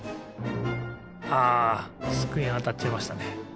あつくえにあたっちゃいましたね。